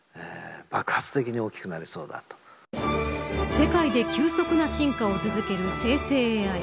世界で急速な進化を続ける生成ＡＩ。